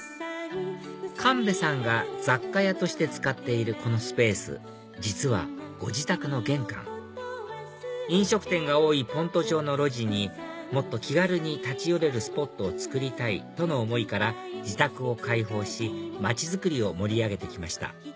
神戸さんが雑貨屋として使っているこのスペース実はご自宅の玄関飲食店が多い先斗町の路地にもっと気軽に立ち寄れるスポットをつくりたいとの思いから自宅を開放し町づくりを盛り上げて来ました